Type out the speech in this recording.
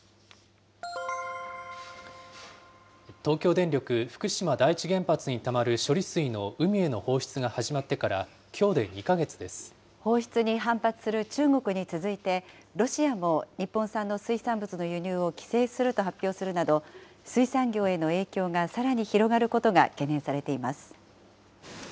東京電力福島第一原発にたまる処理水の海への放出が始まってから放出に反発する中国に続いて、ロシアも日本産の水産物の輸入を規制すると発表するなど、水産業への影響がさらに広がることが懸念されています。